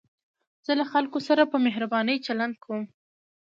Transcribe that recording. زه له خلکو سره په مهربانۍ چلند کوم.